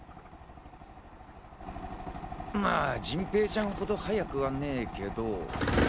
まぁ陣平ちゃん程早くはねぇけど。